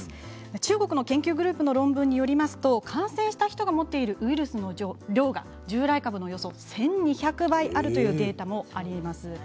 中国の研究グループの論文によりますと感染した人が持っているウイルスの量が従来株のおよそ１２００倍あるというデータもあります。